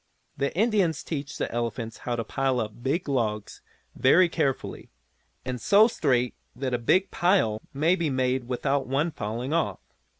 The Indians teach the elephants how to pile up big logs very carefully, and so straight that a big pile may be made without one falling off.